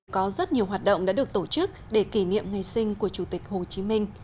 có rất nhiều hoạt động đã được tổ chức để kỷ niệm ngày sinh của chủ tịch hồ chí minh